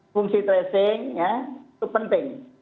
fungsi tracing ya itu penting